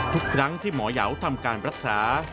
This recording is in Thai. ทุกครั้งที่หมอยาวทำการรักษา